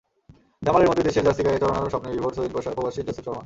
জামালের মতোই দেশের জার্সি গায়ে চরানোর স্বপ্নে বিভোর সুইডেন-প্রবাসী জোসেফ রহমান।